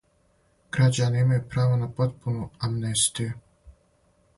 Грађани имају право на потпуну амнестију.